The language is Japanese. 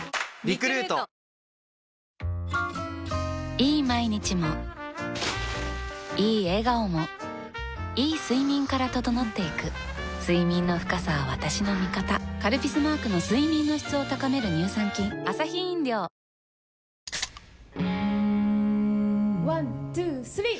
いい毎日もいい笑顔もいい睡眠から整っていく睡眠の深さは私の味方「カルピス」マークの睡眠の質を高める乳酸菌ワン・ツー・スリー！